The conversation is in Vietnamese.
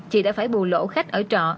chị đã phải bù lỗ khách ở trọ